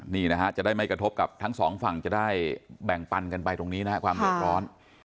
นี่นะฮะจะได้ไม่กระทบกับทั้งสองฝั่งจะได้แบ่งปันกันไปตรงนี้นะครับความเดือดร้อน